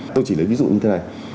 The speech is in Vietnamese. tôi chỉ lấy ví dụ như thế này